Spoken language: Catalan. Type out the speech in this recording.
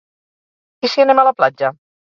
I si anem a la platja?